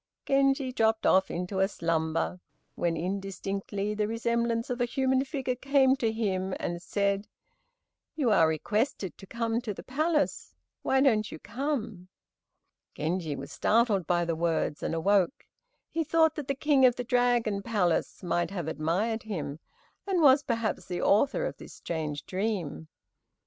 Genji dropped off into a slumber, when indistinctly the resemblance of a human figure came to him and said, "You are requested to come to the palace, why don't you come?" Genji was startled by the words, and awoke. He thought that the king of the dragon palace might have admired him, and was perhaps the author of this strange dream.